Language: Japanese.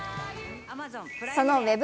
そのウェブ